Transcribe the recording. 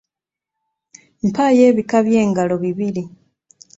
Mpaayo ebika by’engalo bibiri.